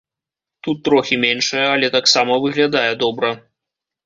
Тут трохі меншая, але таксама выглядае добра.